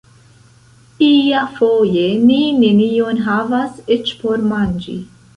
Iafoje ni nenion havas eĉ por manĝi.